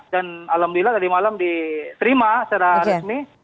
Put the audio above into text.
dan alhamdulillah dari malam diterima secara resmi